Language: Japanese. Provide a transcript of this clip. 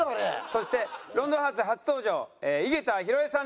そして『ロンドンハーツ』初登場井桁弘恵さんです。